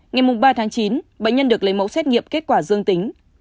ngày ba tháng chín bệnh nhân được lấy mẫu xét nghiệm kết quả dương tính